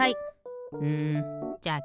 うんじゃあ